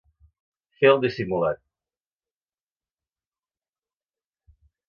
Fer el dissimulat.